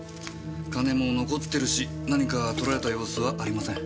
金も残ってるし何か盗られた様子はありません。